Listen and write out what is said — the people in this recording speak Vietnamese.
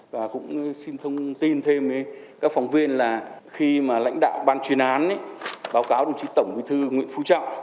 và cũng xin thông tin thêm với các phóng viên là khi mà lãnh đạo ban chuyên án báo cáo đồng chí tổng bí thư nguyễn phú trọng